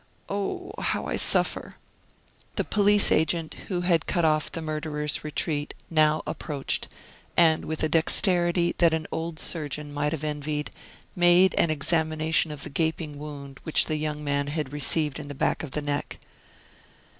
"Oh! how I suffer." The police agent, who had cut off the murderer's retreat now approached, and with a dexterity that an old surgeon might have envied, made an examination of the gaping wound which the young man had received in the back of the neck.